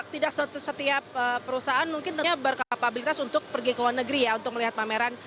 tidak setiap perusahaan mungkin tentunya berkapabilitas untuk pergi ke luar negeri ya untuk melihat pameran